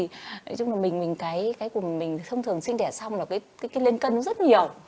nói chung là mình thông thường sinh đẻ xong là cái lên cân nó rất nhiều